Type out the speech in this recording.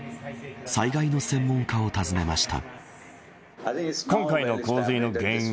災害の専門家を訪ねました。